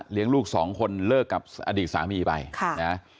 เลี้ยงลูกสองคนเลิกกับอดีตสามีไปค่ะนะฮะ